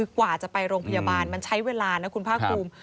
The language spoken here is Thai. กว่าจะไปโรงพยาบาลใช้เวลาคุณผ้ากลุ่ม